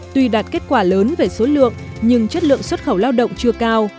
tuy đạt kết quả lớn về số lượng nhưng chất lượng xuất khẩu lao động chưa cao